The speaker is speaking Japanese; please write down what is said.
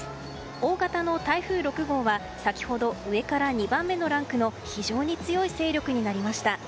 大型の台風６号は先ほど上から２番目のランクの非常に強い勢力になりました。